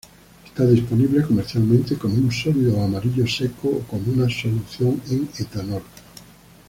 Está disponible comercialmente como un sólido amarillo seco, o como una solución en etanol.